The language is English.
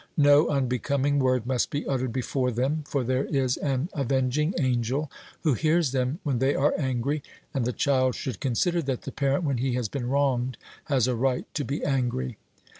No unbecoming word must be uttered before them; for there is an avenging angel who hears them when they are angry, and the child should consider that the parent when he has been wronged has a right to be angry.